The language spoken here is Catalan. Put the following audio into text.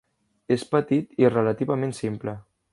És petit i relativament simple.